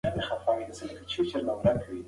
کلیوال به زما د روغتیايي عادتونو په اړه نیوکې کوي.